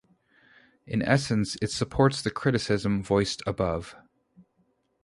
In essence it supports the criticism voiced above.